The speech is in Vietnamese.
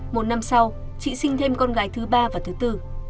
một năm sau chị sinh thêm con gái thứ ba và thứ bốn